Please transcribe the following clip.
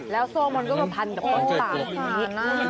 แล้วโซ่มันก็กระพันกับต้นปางอย่างนี้